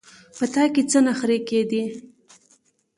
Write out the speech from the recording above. په تا کې څه نخرې کېدې.